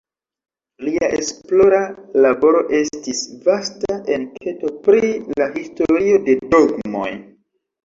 Lia esplora laboro estis vasta enketo pri la historio de dogmoj.